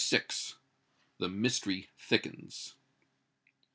THE MYSTERY THICKENS.